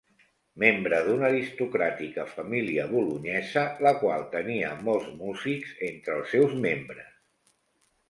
Membre d'una aristocràtica família bolonyesa la qual tenia molts músics entre els seus membres.